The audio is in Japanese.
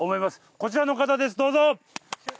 こちらの方ですどうぞ。